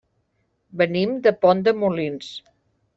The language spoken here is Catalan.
Venim de Pont de Molins.